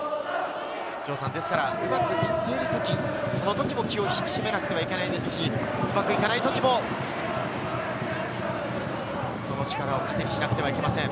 うまく行っている時、このときも気を引き締めなくてはいけないですし、うまく行かない時も、その力を糧にしなくてはいけません。